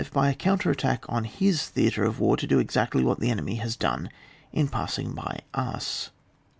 By a counter attack on his theatre of war, to do exactly what the enemy has done in passing by us.